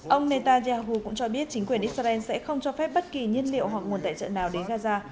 ông netanyahu cũng cho biết chính quyền israel sẽ không cho phép bất kỳ nhân liệu hoặc nguồn tài trợ nào đến gaza